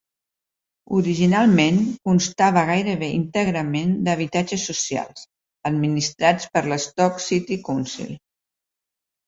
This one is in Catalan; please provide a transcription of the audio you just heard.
Originalment, constava gairebé íntegrament d'habitatges socials, administrats per l'Stoke City Council.